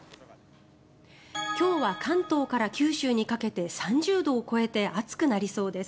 今日は関東から九州にかけて３０度を超えて暑くなりそうです。